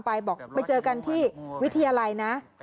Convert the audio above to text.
บอกไปเจอกันที่วิทยาลัยนะ